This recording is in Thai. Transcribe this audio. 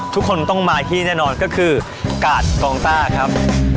ทุกคนต้องมาที่แน่นอนก็คือกาดกองต้าครับ